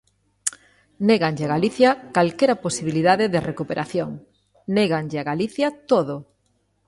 Néganlle a Galicia calquera posibilidade de recuperación, néganlle a Galicia todo.